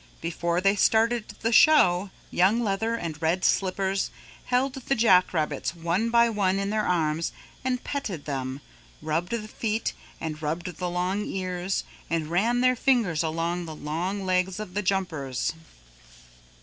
Before they started the show Young Leather and Red Slippers held the jack rabbits one by one in their arms and petted them, rubbed the feet and rubbed the long ears and ran their fingers along the long legs of the jumpers.